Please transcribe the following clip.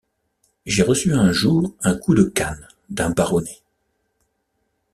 J’ai reçu un jour un coup de canne d’un baronnet.